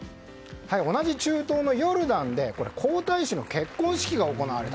同じ中東のヨルダンで皇太子の結婚式が行われた。